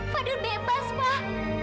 fadil bebas pak